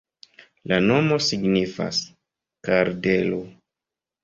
La nomo signifas: kardelo.